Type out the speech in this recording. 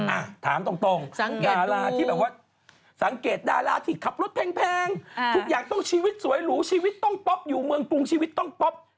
อ่ะถามตรงดาราที่แบบว่าสังเกตดาราที่ขับรถแพงทุกอย่างต้องชีวิตสวยหรูชีวิตต้องป๊อปอยู่เมืองกรุงชีวิตต้องป๊อป